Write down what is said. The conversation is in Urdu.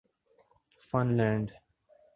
fun land